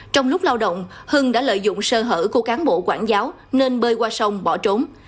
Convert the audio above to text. trong lúc lao động hưng đã lợi dụng sơ hở của cán bộ quản giáo nên bơi qua sông bỏ trốn